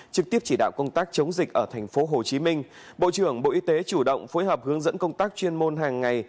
trực tiếp chỉ đạo công tác chống dịch ở tp hcm bộ trưởng bộ y tế chủ động phối hợp hướng dẫn công tác chuyên môn hàng ngày